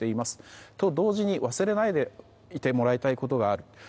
それと同時に忘れないでいてもらいたいことがある。